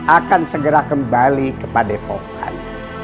akan segera kembali kepada pokokan